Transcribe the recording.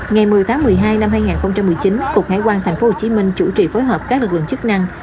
ngày một mươi tháng một mươi hai năm hai nghìn một mươi chín cục hải quan tp hcm chủ trì phối hợp các lực lượng chức năng